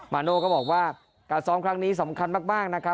โน่ก็บอกว่าการซ้อมครั้งนี้สำคัญมากนะครับ